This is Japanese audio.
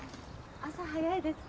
朝早いですね。